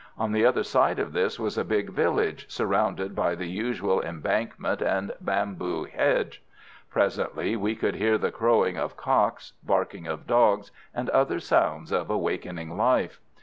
On the other side of this was a big village, surrounded by the usual embankment and bamboo hedge. Presently we could hear the crowing of cocks, barking of dogs, and other sounds of awakening life.